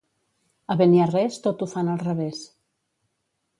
A Beniarrés, tot ho fan al revés.